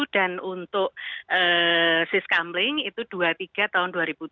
dan untuk tiskamlin itu dua puluh tiga